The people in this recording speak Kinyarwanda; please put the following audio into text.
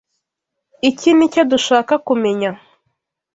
Iki nicyo dushaka kumenya.